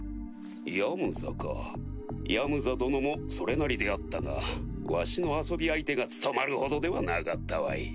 ヤムザかヤムザ殿もそれなりであったがわしの遊び相手が務まるほどではなかったわい。